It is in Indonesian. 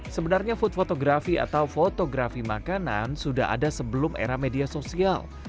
sebenarnya food fotografi atau fotografi makanan sudah ada sebelum era media sosial